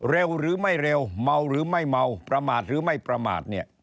เร็วหรือไม่เร็วเมาหรือไม่เมาประมาทหรือไม่ประมาทเนี่ย